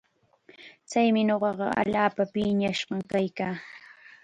Chay nunaqa allaapa piñashqam kaykan.